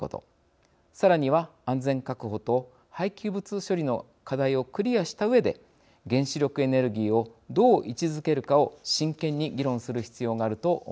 さらには安全確保と廃棄物処理の課題をクリアしたうえで原子力エネルギーをどう位置づけるかを真剣に議論する必要があると思います。